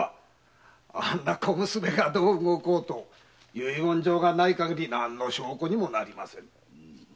あんな小娘がどう動こうと遺言状がないかぎり何の証拠もありませぬ。